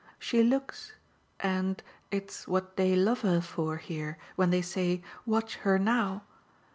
She looks and it's what they love her for here when they say 'Watch her now!